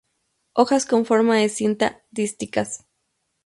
Hojas con forma de cinta, dísticas.